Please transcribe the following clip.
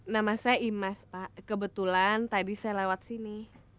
nama saya imas pak kebetulan tadi saya lewat sini